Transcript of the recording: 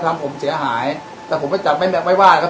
ทำผมเสียหายแต่ผมก็จับไม่ไม่ว่าครับ